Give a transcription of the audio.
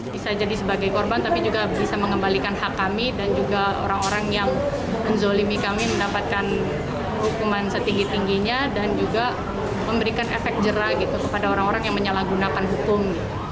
bisa jadi sebagai korban tapi juga bisa mengembalikan hak kami dan juga orang orang yang menzolimi kami mendapatkan hukuman setinggi tingginya dan juga memberikan efek jerah gitu kepada orang orang yang menyalahgunakan hukum